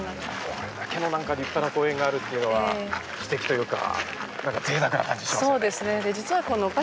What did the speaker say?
これだけの立派な公園があるというのはすてきというかぜいたくな感じしますね。